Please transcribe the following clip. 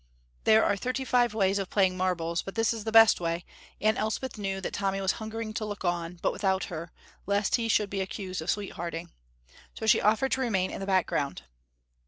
There are thirty five ways of playing marbles, but this is the best way, and Elspeth knew that Tommy was hungering to look on, but without her, lest he should be accused of sweethearting. So she offered to remain in the background.